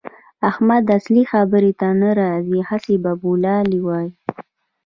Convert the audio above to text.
احمد اصلي خبرې ته نه راځي؛ هسې بابولالې وايي.